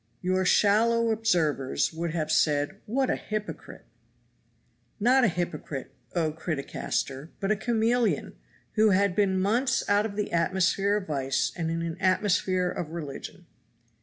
Your shallow observers would have said, "What a hypocrite!" Not a hypocrite, oh Criticaster, but a chameleon! who had been months out of the atmosphere of vice and in an atmosphere of religion.